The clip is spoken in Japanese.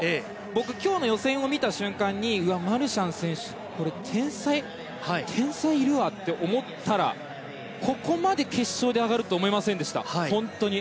僕、今日の予選を見た瞬間にマルシャン選手天才いるわと思ったらここまで決勝で上がるとは思いませんでした、本当に。